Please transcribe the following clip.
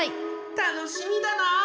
楽しみだな！